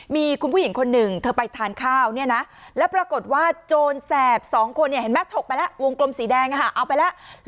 มีคุณผู้หญิงคนหนึ่งเธอไปทานข้าวเนี่ยนะแล้วปรากฏว่าโจรแสบ๒คนเห็นไหมถกไปแล้ววงกลมสีแดงเอาไปแล้ว